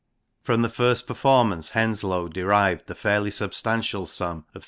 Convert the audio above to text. From the first performance Henslowe derived the fairly substantial sum of 38^.